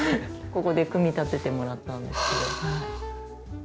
ここで組み立ててもらったんですけど。